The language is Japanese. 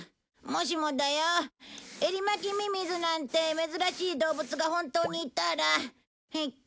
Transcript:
もしもだよエリマキミミズなんて珍しい動物が本当にいたら。